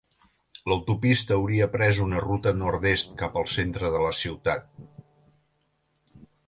L'autopista hauria pres una ruta nord-est cap al centre de la ciutat.